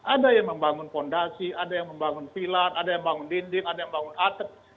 ada yang membangun fondasi ada yang membangun pilar ada yang bangun dinding ada yang bangun atap